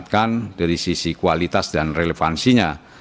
meningkatkan dari sisi kualitas dan relevansinya